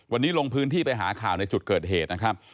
วันนี้ลงพื้นที่ไปหาข่าวในจุดเกิดเหตุนะครับ